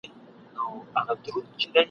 د جنوري پر اووه لسمه ..